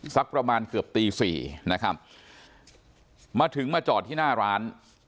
สักประมาณเกือบตีสี่นะครับมาถึงมาจอดที่หน้าร้าน